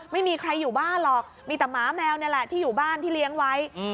ไม่มีใครอยู่บ้านหรอกมีแต่หมาแมวนี่แหละที่อยู่บ้านที่เลี้ยงไว้